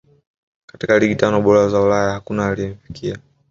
katika ligi tano bora za ulaya hakuna aliyemfikia